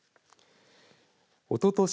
おととし